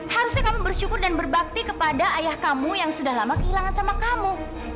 harusnya kamu bersyukur dan berbakti kepada ayah kamu yang sudah lama kehilangan sama kamu